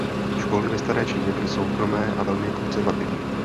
Školy ve staré Číně byly soukromé a velmi konzervativní.